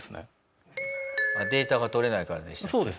データがとれないからでしたっけ。